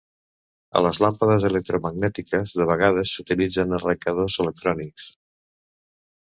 A les làmpades electromagnètiques de vegades s'utilitzen arrencadors electrònics.